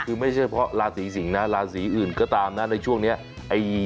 คือไม่ใช่เพราะลาสีสิงลาสีอื่นก็ตามในช่วงนี้